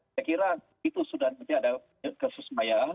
saya kira itu sudah ada kesusmayaan